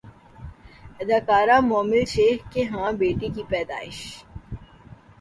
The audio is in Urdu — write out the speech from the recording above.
اداکارہ مومل شیخ کے ہاں بیٹی کی پیدائش